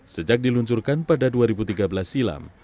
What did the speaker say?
sejak diluncurkan pada dua ribu tiga belas silam